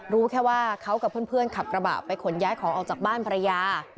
รู้แค่ว่าเขากับเพื่อนขับกระบะไปขนย้ายของออกจากบ้านภรรยา